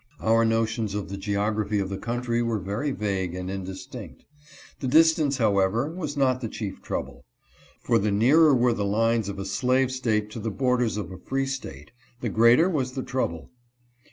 Our notions of the geography of the country were very vague and indistinct. The distance, however, was not the chief trouble, for the nearer were the lines of a slave state to the borders of a free state the greater was the trouble.